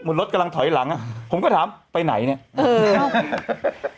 เหมือนรถกำลังถอยหลังผมก็ถามไปไหนเนี่ยเออ